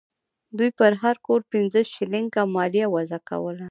دوی پر هر کور پنځه شلینګه مالیه وضع کوله.